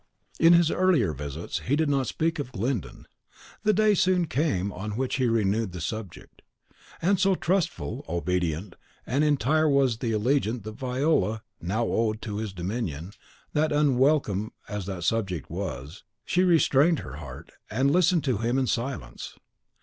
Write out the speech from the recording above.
In his earlier visits he did not speak of Glyndon. The day soon came on which he renewed the subject. And so trustful, obedient, and entire was the allegiance that Viola now owned to his dominion, that, unwelcome as that subject was, she restrained her heart, and listened to him in silence.